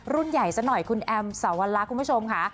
รุ่นใหญ่ซะหน่อยคุณแอมสาวลักษณ์คุณผู้ชมค่ะ